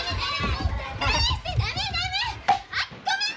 あっごめん！